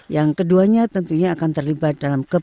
yang keduanya tentunya akan terlibat dalam